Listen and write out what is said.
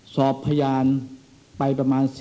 สอบพยานไปประมาณ